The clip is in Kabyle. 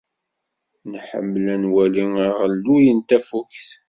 Nḥemmel ad nwali aɣelluy n tafukt.